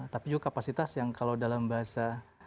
tapi juga kapasitas yang kalau dalam bahasa